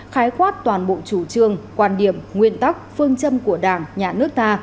khái quát toàn bộ chủ trương quan điểm nguyên tắc phương châm của đảng nhà nước ta